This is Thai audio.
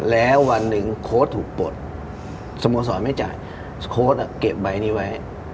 แล้ววันหนึ่งโค้ดถูกปลดสโมสรไม่จ่ายโค้ดเก็บใบนี้ไว้